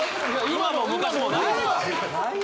今も昔もない。